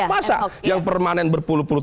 masa yang permanen berpuluh puluh